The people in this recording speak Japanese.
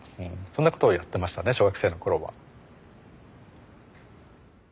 そんなことをやってましたね小学生の頃は。